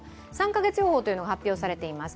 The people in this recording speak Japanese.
３か月予報が発表されています。